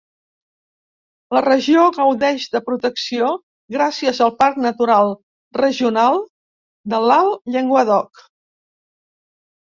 La regió gaudeix de protecció gràcies al Parc natural regional de l'Alt Llenguadoc.